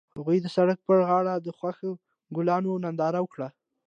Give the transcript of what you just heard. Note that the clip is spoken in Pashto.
هغوی د سړک پر غاړه د خوښ ګلونه ننداره وکړه.